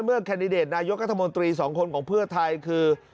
เมื่อแคนดิเดตนายกกธมตรีสองคนของเพื่อไทยคือ